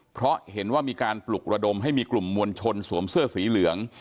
เพราะเห็นว่ามีการปลุกระดมให้มีกลุ่มมวลชนสวมเสื้อสีเหลือง